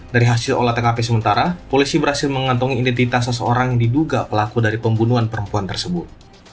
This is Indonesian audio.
dari hasil olah tkp sementara polisi berhasil mengantongi identitas seseorang yang diduga pelaku dari pembunuhan perempuan tersebut